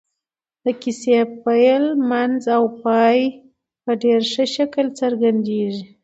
د کيسې پيل منځ او پای په ډېر ښه شکل څرګندېږي.